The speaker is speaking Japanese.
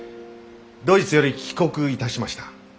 ドイツより帰国いたしました。